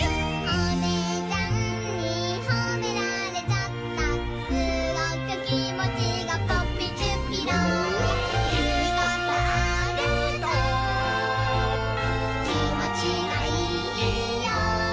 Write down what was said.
「おねえちゃんにほめられちゃった」「すごくきもちが」「ポッピチュッピロー」「いいことあるときもちがいいよ」